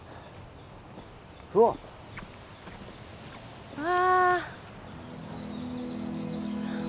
うわっわあ